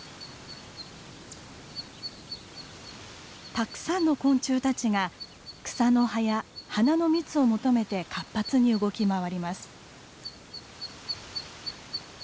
たくさんの昆虫たちが草の葉や花の蜜を求めて活発に動き回ります。